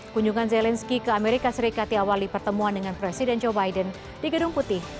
kunjungan zelensky ke amerika serikat diawali pertemuan dengan presiden joe biden di gedung putih